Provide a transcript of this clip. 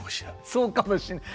そうかもしれない。